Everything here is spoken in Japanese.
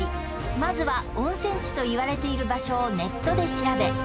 まずは温泉地といわれている場所をネットで調べ